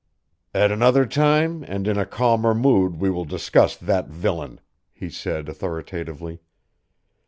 "At another time and in a calmer mood we will discuss that villain," he said authoritatively.